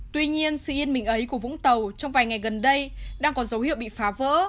tuy nhiên sự yên bình ấy của vũng tàu trong vài ngày gần đây đang có dấu hiệu bị phá vỡ